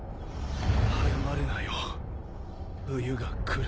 早まるなよ冬が来るのさ。